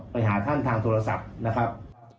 ไปหาท่านทางโทรศัพท์นะครับ